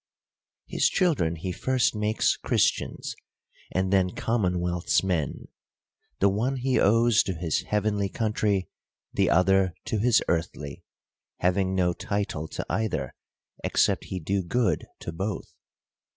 His children he first makes Christians, and then com monwealth's men : the one he owes to his heavenly country, the other to his earthly, having no title to either, except he do good to both.